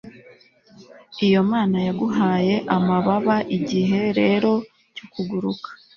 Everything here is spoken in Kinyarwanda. iyo mana yaguhaye amababa, igihe rero cyo kuguruka